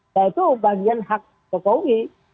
yaitu bagian hak jokowi